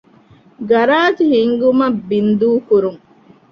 ގަރާޖް ހިންގުމަށް ބިންދޫކުރުން